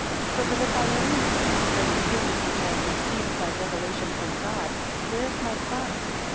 8 So that if I only teach those things which I have received by revelation from God, where is my crime?